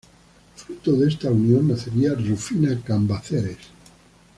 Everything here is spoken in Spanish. Fruto de esta unión nacería Rufina Cambaceres.